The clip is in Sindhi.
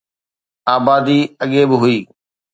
آبادي اڳي به هئي